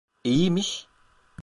İyiymiş.